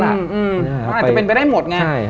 มันอาจจะเป็นไปได้หมดไง